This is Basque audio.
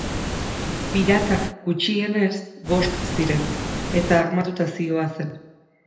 Piratak gutxienez bost ziren eta armatuta zihoazen.